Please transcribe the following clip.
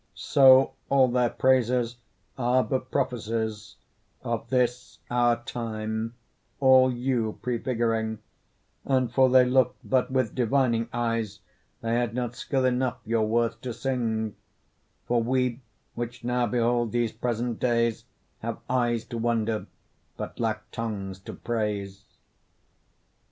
So all their praises are but prophecies Of this our time, all you prefiguring; And for they looked but with divining eyes, They had not skill enough your worth to sing: For we, which now behold these present days, Have eyes to wonder, but lack tongues to praise.